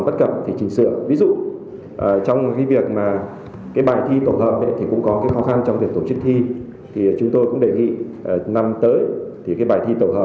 trong hội nghị này